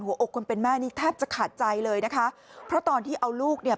หัวอกคนเป็นแม่นี่แทบจะขาดใจเลยนะคะเพราะตอนที่เอาลูกเนี่ย